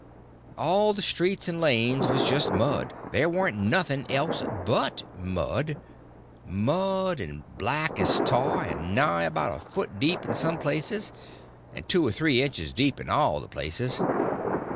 All the streets and lanes was just mud; they warn't nothing else but mud—mud as black as tar and nigh about a foot deep in some places, and two or three inches deep in all the places.